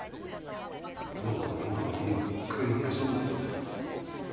ともかく今はゆっくり休むことだ。